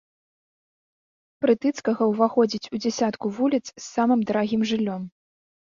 Прытыцкага ўваходзіць у дзясятку вуліц з самым дарагім жыллём.